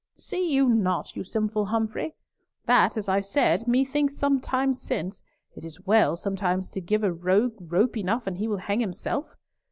"See you not, you simple Humfrey, that, as I said methinks some time since, it is well sometimes to give a rogue rope enough and he will hang himself?